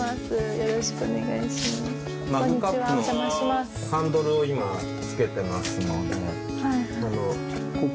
よろしくお願いします。